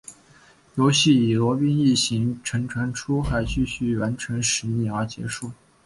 游戏以罗宾一行乘船出海继续完成使命而结束。